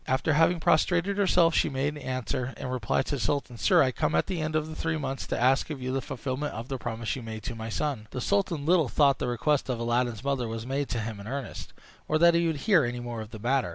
After having prostrated herself she made answer, in reply to the sultan: "Sire, I come at the end of three months to ask of you the fulfilment of the promise you made to my son." The sultan little thought the request of Aladdin's mother was made to him in earnest, or that he would hear any more of the matter.